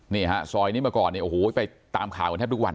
นี่ฮะซอยนี้มาก่อนเนี่ยโอ้โหไปตามข่าวกันแทบทุกวัน